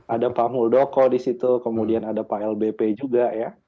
ada pak muldoko di situ kemudian ada pak lbp juga ya